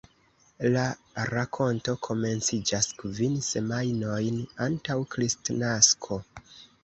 La rakonto komenciĝas kvin semajnojn antaŭ Kristnasko.